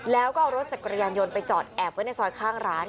แล้วก็เอารถจักรยานยนต์ไปจอดแอบไว้ในซอยข้างร้าน